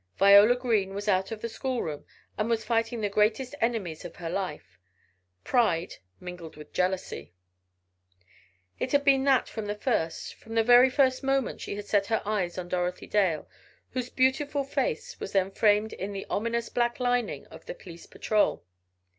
Viola Green was out of the school room and was fighting the greatest enemies of her life Pride, mingled with Jealousy. It had been that from the first, from the very first moment she set her eyes on Dorothy Dale, whose beautiful face was then framed in the ominous black lining of the police patrol.